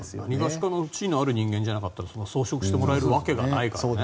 しかも地位のある人間じゃないと装飾してもらえるわけがないからね。